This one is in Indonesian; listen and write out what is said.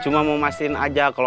terima kasih juga mam